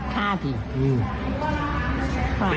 ทุกวัน